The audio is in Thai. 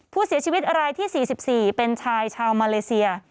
ผู้เสียชีวิตรายที่๔๔เป็นชายชาวมาเลเซีย